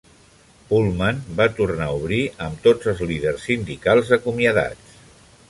Pullman va tornar a obrir amb tots els líders sindicals acomiadats.